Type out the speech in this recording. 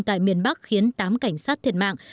tại miền bắc khiến tám cảnh sát thiệt mạng